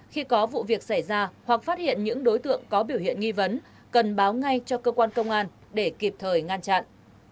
khi có vụ việc xảy ra hoặc phát hiện những đối tượng có biểu hiện nghi vấn cần báo ngay cho cơ quan công an để kịp thời ngăn chặn